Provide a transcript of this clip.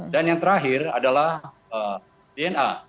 dan yang terakhir adalah dna